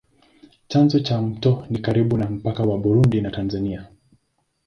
Chanzo cha mto ni karibu na mpaka wa Burundi na Tanzania.